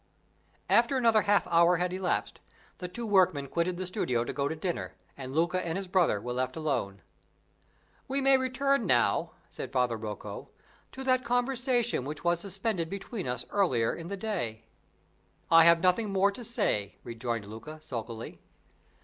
After another half hour had elapsed, the two workmen quitted the studio to go to dinner, and Luca and his brother were left alone. "We may return now," said Father Rocco, "to that conversation which was suspended between us earlier in the day." "I have nothing more to say," rejoined Luca, sulkily.